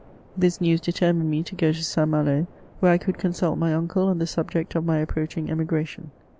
This news determined me to go to St. Malo, where I could con sult my uncle on the subject of my approaching emigration.